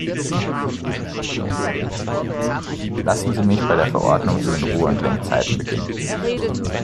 Lassen Sie mich bei der Verordnung zu den Ruhe- und Lenkzeiten beginnen.